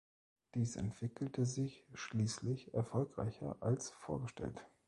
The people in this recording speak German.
Dies entwickelte sich schließlich erfolgreicher als vorgestellt.